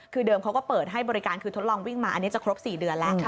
คือเดิมเขาก็เปิดให้บริการคือทดลองวิ่งมาอันนี้จะครบ๔เดือนแล้ว